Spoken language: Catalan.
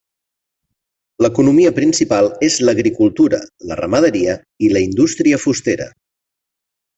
L'economia principal és l'agricultura, la ramaderia i la indústria fustera.